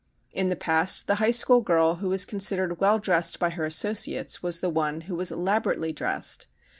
In the past the high school girl who was considered well dressed by her associates was the one who was elaborately dressed.